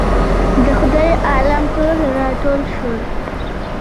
د خدای عالم ټول راټول شول.